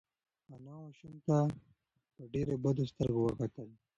انا ماشوم ته په ډېرو بدو سترګو وکتل.